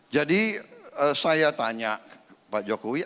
jadi saya tanya pak jokowi